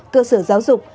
cơ sở giáo dục